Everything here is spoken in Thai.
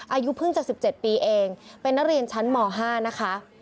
อายุเพิ่งจะ๑๗ปีเองเป็นนักเรียนชั้นม๕นะคะ